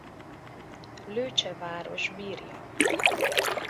Lőcse város birja.